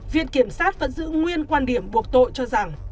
viện kiểm sát vẫn giữ nguyên quan điểm buộc tội cho rằng